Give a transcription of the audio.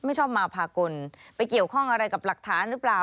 ชอบมาพากลไปเกี่ยวข้องอะไรกับหลักฐานหรือเปล่า